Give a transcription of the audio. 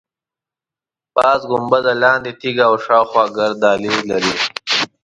پاس ګنبده، لاندې تیږه او شاخوا ګرد دهلیز لري.